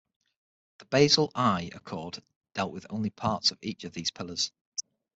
The Basel I accord dealt with only parts of each of these pillars.